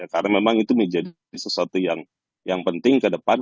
karena memang itu menjadi sesuatu yang penting ke depan